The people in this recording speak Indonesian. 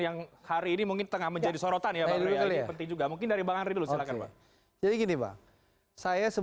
yang hari ini mungkin tengah menjadi sorotan ya